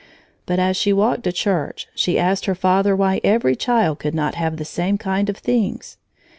But as she walked to church, she asked her father why every child could not have the same kind of things.